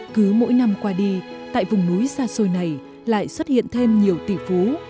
cứ mỗi năm qua đi tại vùng núi xa xôi này lại xuất hiện thêm nhiều tỷ phú